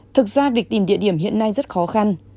thực ra việc tìm địa điểm hiện nay rất khó khăn